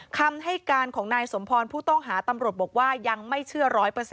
คำให้การของนายสมพรผู้ต้องหาตำรวจบอกว่ายังไม่เชื่อ๑๐๐